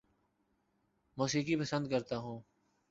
موسیقی پسند کرتا ہوں